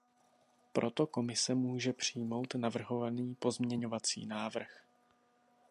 Proto Komise může přijmout navrhovaný pozměňovací návrh.